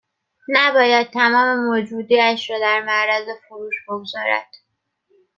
نباید تمام موجودی اش را در معرض فروش بگذارد